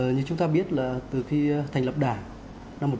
như chúng ta biết là từ khi thành lập đảng